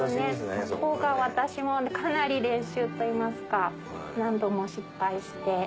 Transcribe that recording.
ここが私もかなり練習といいますか何度も失敗して。